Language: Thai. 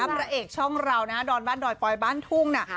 พระเอกช่องเรานะฮะดอนบ้านดอยปอยบ้านทุ่งน่ะ